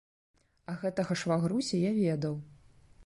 А гэтага швагруся я ведаў.